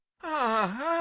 ああ。